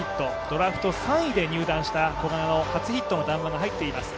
ドラフト３位で入団した古賀の初ヒットの談話が入っています。